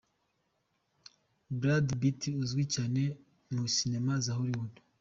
Brad Pitt uzwi cyane mu sinema za Hollywood.